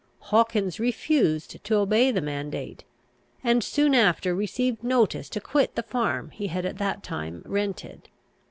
Hawkins refused to obey the mandate, and soon after received notice to quit the farm he at that time rented.